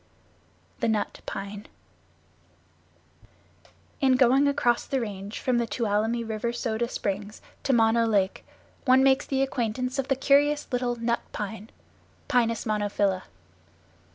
The Nut Pine In going across the Range from the Tuolumne River Soda Springs to Mono Lake one makes the acquaintance of the curious little Nut Pine (Pinus monophylla).